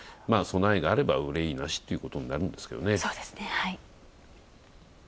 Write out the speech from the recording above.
備えがあれば憂いなしということになるんですけどね。